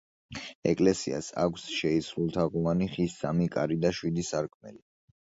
ეკლესიას აქვს შეისრულთაღოვანი ხის სამი კარი და შვიდი სარკმელი.